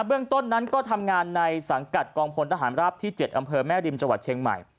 เบื้องต้นนั้นก็ทำงานในสังกัดกองพลทหารราบที่๗อำเภอแม่ริมจังหวัดเชียงใหม่